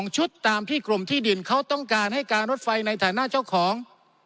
ชุดตามที่กรมที่ดินเขาต้องการให้การรถไฟในฐานะเจ้าของ